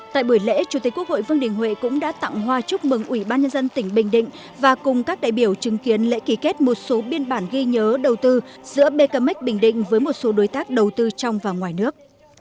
tại buổi lễ chủ tịch quốc hội vương đình huệ cũng đã tặng hoa chúc mừng ủy ban nhân dân tỉnh bình định và cùng các đại biểu chứng kiến lễ ký kết một số biên bản ghi nhớ đầu tư giữa bkm bình định với một số đối tác đầu tư trong và ngoài nước